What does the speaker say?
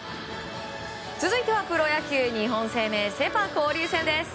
続いてはプロ野球、日本生命セ・パ交流戦です。